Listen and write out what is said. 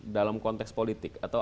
dalam konteks politik atau